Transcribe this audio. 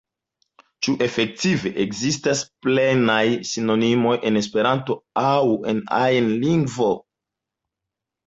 Ĉu efektive ekzistas plenaj sinonimoj en Esperanto aŭ en ajna lingvo?